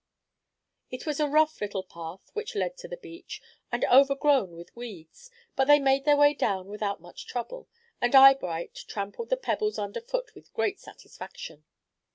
It was a rough little path which led to the beach, and overgrown with weeds; but they made their way down without much trouble, and Eyebright trampled the pebbles under foot with great satisfaction.